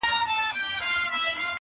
دا د جرګو دا د وروریو وطن!.